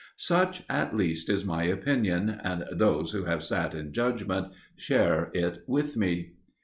Such, at least, is my opinion, and those who have sat in judgment share it with me."